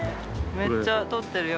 めっちゃ撮ってるよ。